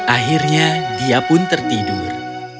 akhirnya dia pun tertidur